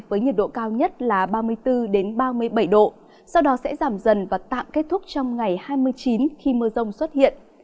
với nhiệt độ cao nhất là ba mươi bốn ba mươi bảy độ sau đó sẽ giảm dần và tạm kết thúc trong ngày hai mươi chín khi mưa rông xuất hiện